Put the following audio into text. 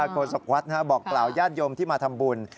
โศกวัดบอกกล่าวญาติโยมที่มาทำบุญ